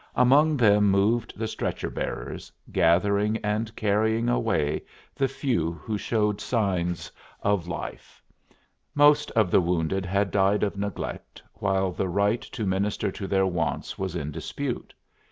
Among them moved the stretcher bearers, gathering and carrying away the few who showed signs of life. Most of the wounded had died of neglect while the right to minister to their wants was in dispute.